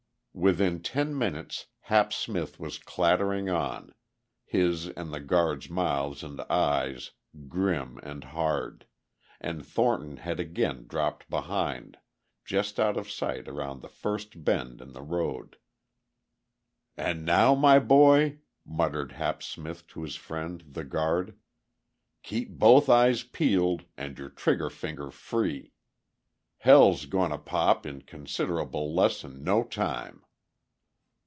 Within ten minutes Hap Smith was clattering on, his and the guard's mouths and eyes grim and hard, and Thornton had again dropped behind, just out of sight around the first bend in the road. "And now, my boy," muttered Hap Smith to his friend the guard, "keep both eyes peeled and your trigger finger free. Hell's goin' to pop in considerable less'n no time."